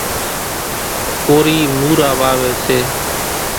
ڪورِي مورا واويَ سي۔